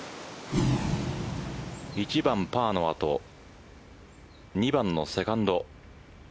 １番パーの後２番のセカンド。